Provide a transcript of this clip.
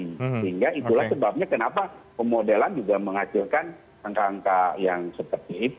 sehingga itulah sebabnya kenapa pemodelan juga menghasilkan angka angka yang seperti itu